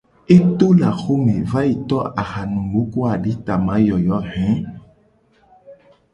E to le axome va yi to ahanunu ku aditamayoyo he.